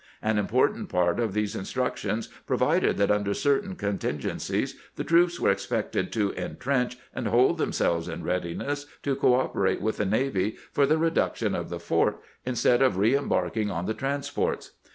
An important part of these instructions provided that under certain contin gencies the troops were expected to intrench and hold themselves in readiness to cooperate with the navy for the reduction of the fort, instead of reembarking on the grant's children at city point 363 transports.